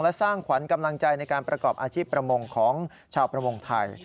และสร้างขวัญกำลังใจในการประกอบอาชีพประมงของชาวประมงไทย